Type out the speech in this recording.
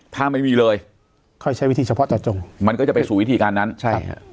ถ้าไม่มีเลยค่อยใช้วิธีเฉพาะเจาะจงมันก็จะไปสู่วิธีการนั้นใช่ฮะ